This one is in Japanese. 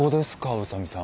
宇佐美さん。